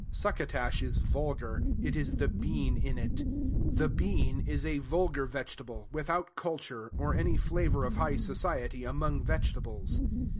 Succotash is vulgar. It is the bean in it. The bean is a vulgar vegetable, without culture, or any flavor of high society among vegetables.